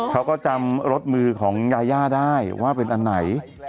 เขาก็จำลดมือยาได้ว่าเป็นอันไหน